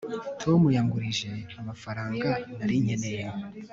tom yangurije amafaranga nari nkeneye